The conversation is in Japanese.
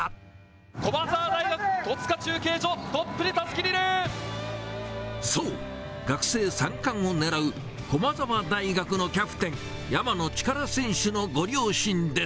駒澤大学、戸塚中継所、そう、学生三冠をねらう駒澤大学のキャプテン、山野力選手のご両親です。